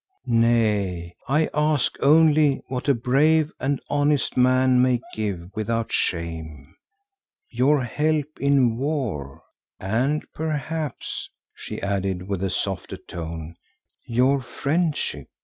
Nay, I ask only what a brave and honest man may give without shame: your help in war, and perhaps," she added with a softer tone, "your friendship.